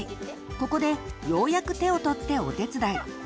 ここでようやく手を取ってお手伝い。